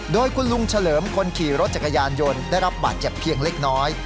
โดยคุณลุงเฉลิมคนขี่รถจักรยานยนต์ได้รับบาดเจ็บเพียงเล็กน้อย